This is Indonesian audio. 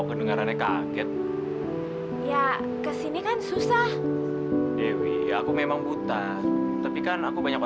perlu aku bantuin nggak nih